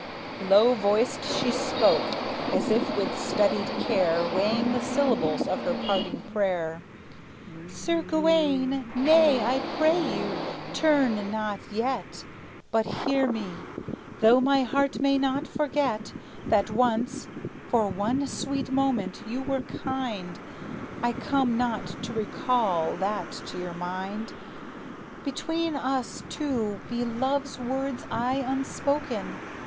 Low voiced she spoke, as if with studied care Weighing the syllables of her parting prayer. "Sir Gawayne nay, I pray you, turn not yet, But hear me; though my heart may not forget That once, for one sweet moment, you were kind, I come not to recall that to your mind; Between us two be love's words aye unspoken!